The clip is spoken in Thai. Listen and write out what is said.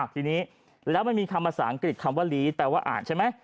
ทีนี้แล้วมันมีคำภาษาอังกฤษคำว่าลีแปลว่าอ่านใช่ไหม